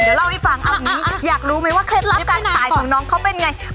เดี๋ยวเล่าให้ฟังเอาอย่างนี้อยากรู้ไหมว่าเคล็ดลับการขายของน้องเขาเป็นไง